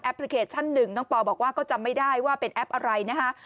พลิเคชันหนึ่งน้องปอบอกว่าก็จำไม่ได้ว่าเป็นแอปอะไรนะคะ